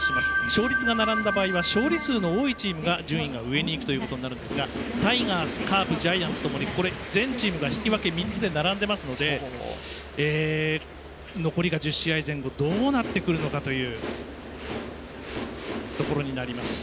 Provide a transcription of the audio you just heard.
勝率が並んだ場合は勝利数が多いチームが順位が上にいくということになるんですがタイガース、カープジャイアンツともに全チームが引き分け３つで並んでますので残りが１０試合前後どうなってくるのかというところになります。